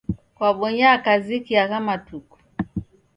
Kwabonyaa kaziki agha matuku?